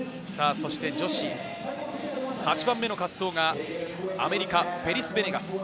女子８番目の滑走がアメリカ、ペリス・ベネガス。